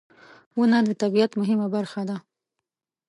• ونه د طبیعت مهمه برخه ده.